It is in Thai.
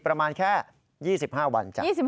ประมาณแค่๒๕วันจ้ะ